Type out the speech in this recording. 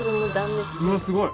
うわっすごい！